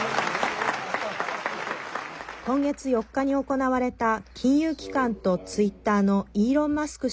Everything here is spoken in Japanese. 今月４日に行われた金融機関とツイッターのイーロン・マスク